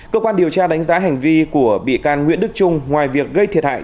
cơ quan điều tra đánh giá hành vi của bị can nguyễn đức trung ngoài việc gây thiệt hại